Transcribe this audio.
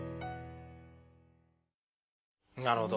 なるほど。